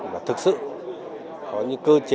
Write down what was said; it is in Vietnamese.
và thực sự có những cơ chế